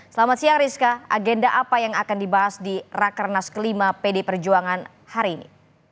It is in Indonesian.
selamat siang rizka agenda apa yang akan dibahas di rakernas kelima pd perjuangan hari ini